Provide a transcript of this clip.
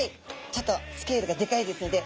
ちょっとスケールがでかいですので。